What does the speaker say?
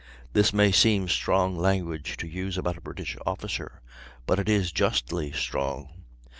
This may seem strong language to use about a British officer, but it is justly strong.